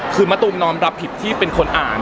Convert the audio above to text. คือมะตูมน้อมรับผิดที่เป็นคนอ่าน